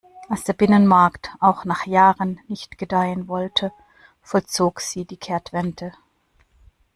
Als der Binnenmarkt auch nach Jahren nicht gedeihen wollte, vollzog sie die Kehrtwende.